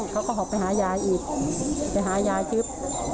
แล้วก็หอบไปหายายอีกไปหายายติ๊บ